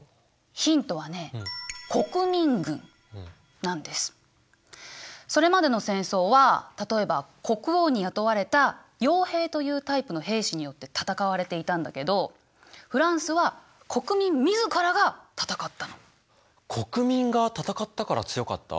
ヒントはねそれまでの戦争は例えば国王に雇われたよう兵というタイプの兵士によって戦われていたんだけど国民が戦ったから強かった？